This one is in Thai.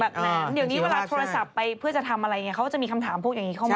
แบบนี้เดี๋ยวนี้เวลาโทรศัพท์ไปเพื่อจะทำอะไรเนี่ยเขาก็จะมีคำถามพวกอย่างนี้เข้ามา